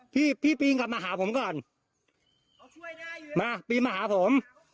พี่พี่ปีนกลับมาหาผมก่อนเขาช่วยได้มาปีนมาหาผม